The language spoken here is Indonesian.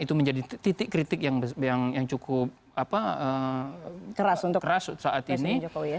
itu menjadi titik kritik yang cukup keras saat ini